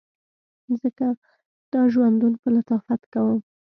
ځکه دا ژوندون په لطافت کوم